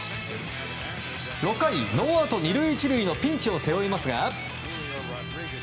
６回、ノーアウト２塁１塁のピンチを背負いますが。